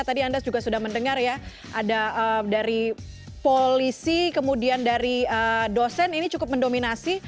tadi anda juga sudah mendengar ya ada dari polisi kemudian dari dosen ini cukup mendominasi